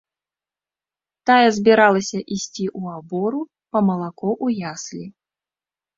Тая збіралася ісці ў абору па малако ў яслі.